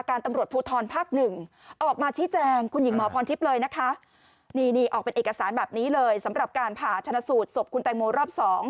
คุณผู้ชมล่าสุดค่ะ